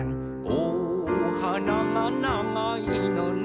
「おはながながいのね」